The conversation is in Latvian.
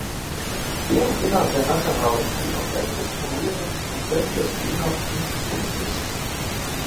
Filmu finansē Nacionālais kino centrs un Lietuvas un Čehijas kino institūcijas.